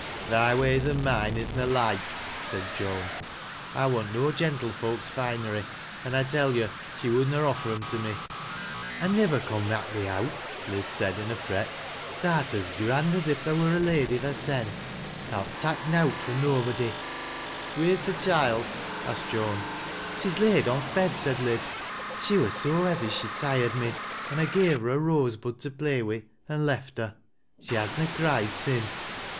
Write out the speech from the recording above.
" Thy ways an' mine is na loike," said Joan. " I wanl no gentlefolks finery. An' I tell you she would na offei 'em to me." " I nivver con mak' thee out," Liz said, ic a fret * Tha'rt as grand as if tha wur a lady thysen. Tha'lt tak' nowt fro' nobody." " Wheer's th' choild ?" asked Joan. " She's laid on th' bed," said Liz. " She wur so heavy she tired me an' I gave her a rose bud to play wi' an' left her. She has na cried sin'.